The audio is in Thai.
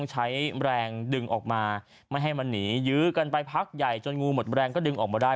ใช้แรงดึงออกมาไม่ให้มันหนียื้อกันไปพักใหญ่จนงูหมดแรงก็ดึงออกมาได้